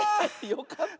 よかった！